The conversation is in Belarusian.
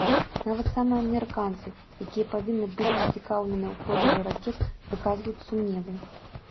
Нават самі амерыканцы, якія павінны быць зацікаўленыя ў продажы ракет, выказваюць сумневы.